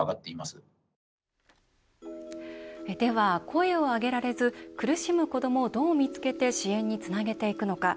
声を上げられず苦しむ子どもを、どう見つけて支援につなげていくのか。